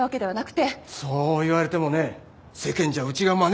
そう言われてもね世間じゃうちがまねしたと思うんだよ。